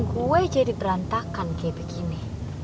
gue jadi berantakan kayak begini